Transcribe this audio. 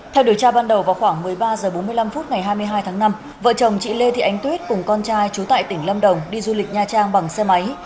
theo điều tra ban đầu vào khoảng một mươi ba h bốn mươi năm phút ngày hai mươi hai tháng năm vợ chồng chị lê thị ánh tuyết cùng con trai chú tại tỉnh lâm đồng đi du lịch nha trang bằng xe máy